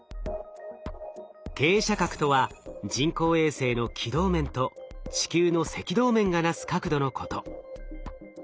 傾斜角とは人工衛星の軌道面と地球の赤道面がなす角度のこと。